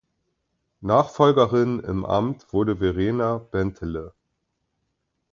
Nachfolgerin im Amt wurde Verena Bentele.